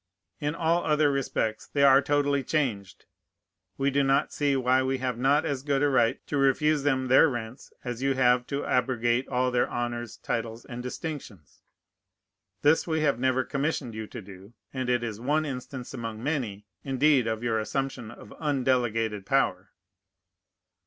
In all other respects they are totally changed. We do not see why we have not as good a right to refuse them their rents as you have to abrogate all their honors, titles, and distinctions. This we have never commissioned you to do; and it is one instance among many, indeed, of your assumption of undelegated power.